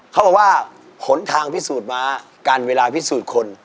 เขาบอกว่าผลทางพิสูจน์ม้าการเวลาพิสูจน์คน